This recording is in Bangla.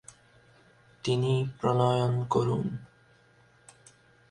তিনি প্রণয়ন করন।